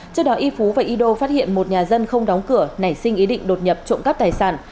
trước đó yifu và yido phát hiện một nhà dân không đóng cửa nảy sinh ý định đột nhập trộm cắp tài sản